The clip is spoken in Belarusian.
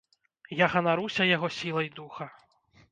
Я ганаруся яго сілай духа.